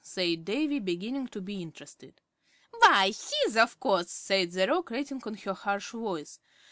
said Davy, beginning to be interested. "Why, his, of course," said the Roc, rattling on in her harsh voice.